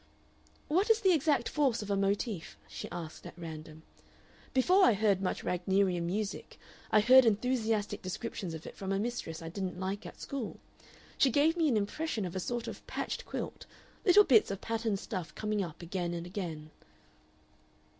"What is the exact force of a motif?" she asked at random. "Before I heard much Wagnerian music I heard enthusiastic descriptions of it from a mistress I didn't like at school. She gave me an impression of a sort of patched quilt; little bits of patterned stuff coming up again and again."